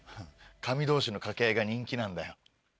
神同士の掛け合いが人気なんだよ。